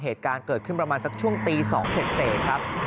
เหตุการณ์เกิดขึ้นประมาณสักช่วงตี๒เสร็จครับ